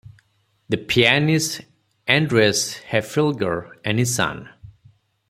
The pianist, Andreas Haefliger, is his son.